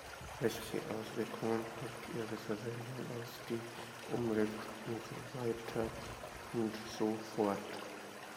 Welche Auswirkungen hat ihre Verwendung auf die Umwelt und so weiter und so fort?